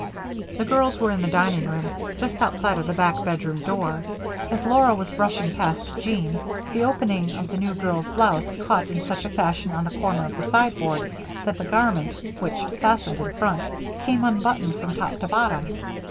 The girls were in the dining room just outside of the back bedroom door. As Laura was brushing past Jean, the opening of the new girl's blouse caught in such a fashion on the corner of the sideboard that the garment, which fastened in front, came unbuttoned from top to bottom.